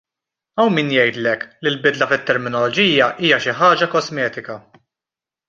Hawn min jgħidlek li bidla f'terminoloġija hija xi ħaġa kosmetika.